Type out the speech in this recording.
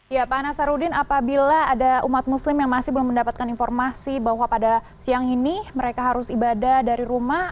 ya pak nasaruddin apabila ada umat muslim yang masih belum mendapatkan informasi bahwa pada siang ini mereka harus ibadah dari rumah